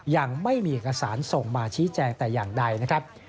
ยังไม่มีเอกสารส่งมาชี้แจงแต่อย่างใดนะครับ